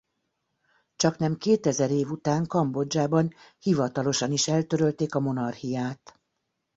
Csaknem kétezer év után Kambodzsában hivatalosan is eltörölték a monarchiát.